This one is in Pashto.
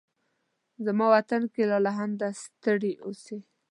زما وطن کې لالهانده ستړي اوسې